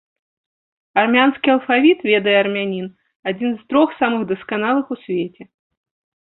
Армянскі алфавіт, ведае армянін, адзін з трох самых дасканалых у свеце.